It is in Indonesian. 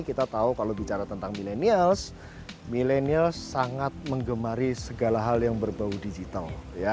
kita tahu kalau bicara tentang milenials milenial sangat mengemari segala hal yang berbau digital